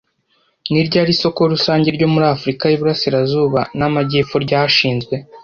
Ni ryari 'Isoko Rusange ryo muri Afurika y'Iburasirazuba n'Amajyepfo ryashinzwe